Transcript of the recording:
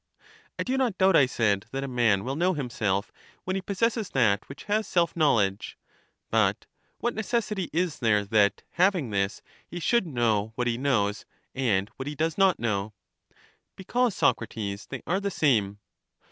I do not doubt, I said, that a man will know him self, when he possesses that which has self knowledge: but what necessity is there that, having this, he should know what he knows and what he does not know? Because, Socrates, they are the same.